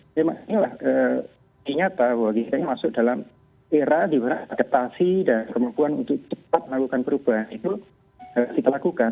memang inilah ternyata bahwa kita ini masuk dalam era di mana adaptasi dan kemampuan untuk cepat melakukan perubahan itu kita lakukan